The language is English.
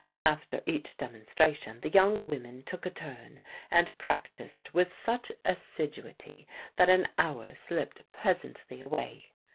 After each demonstration the young women took a turn and practised with such assiduity that an hour slipped pleasantly away.